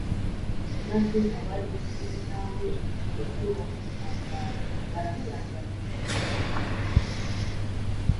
maze abari hamwe nawe bafite ubwoba no gutangara, “baramurandata, bamujyana i Damasiko”